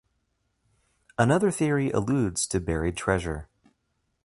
Another theory alludes to buried treasure.